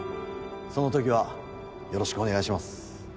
その時はよろしくお願いします